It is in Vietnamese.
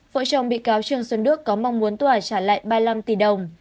vội chồng bị cáo trương xuân đức có mong muốn tỏa trả lại ba mươi năm tỷ đồng